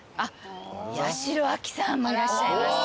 八代亜紀さんもいらっしゃいますよ。